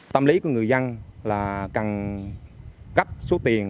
tâm lý của người dân là cần gấp số tiền